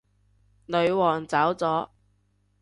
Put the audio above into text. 女皇走咗